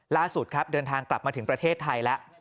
ล่าสุดครับเดินทางกลับมาถึงประเทศไทยแล้ว